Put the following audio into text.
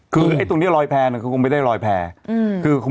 คือตรงนี้ลอยแพ้น่ะ